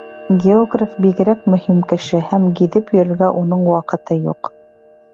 Географ бигерәк мөһим кеше, һәм гиҙеп йөрөргә уның ваҡыты юҡ.